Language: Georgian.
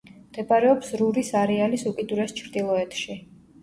მდებარეობს რურის არეალის უკიდურეს ჩრდილოეთში.